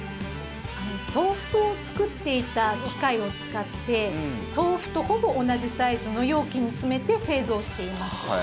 豆腐を作っていた機械を使って豆腐とほぼ同じサイズの容器に詰めて製造しています。